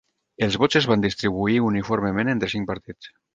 Els vots es van distribuir uniformement entre cinc partits.